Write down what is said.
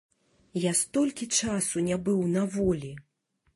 Я столькі часу не быў на волі!